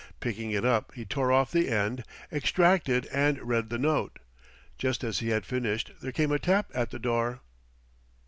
Picking it up he tore off the end, extracted and read the note. Just as he had finished there came a tap at the door.